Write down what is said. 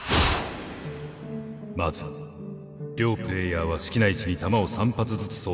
まず両プレーヤーは好きな位置に弾を３発ずつ装てんします。